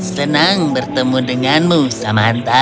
semoga bertemu denganmu samantha